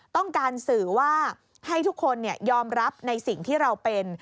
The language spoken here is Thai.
ต้องการสื่อว่าให้ทุกคนยอมรับในสิ่งที่เราเป็น